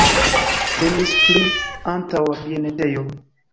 Temis pri antaŭa bienetejo.